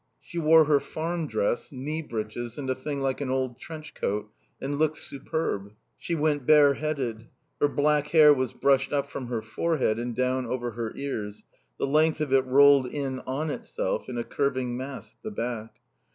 She wore her farm dress, knee breeches and a thing like an old trench coat, and looked superb. She went bareheaded. Her black hair was brushed up from her forehead and down over her ears, the length of it rolled in on itself in a curving mass at the back.